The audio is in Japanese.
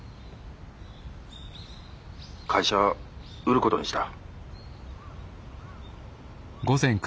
☎会社売ることにした。